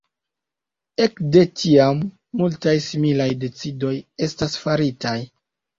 Ekde tiam, multaj similaj decidoj estas faritaj.